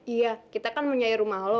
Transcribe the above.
iya kita kan punya rumah